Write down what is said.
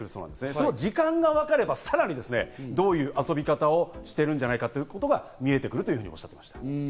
その時間がわかれば、さらにどういう遊び方をしているんじゃないかということが見えてくるとおっしゃっていました。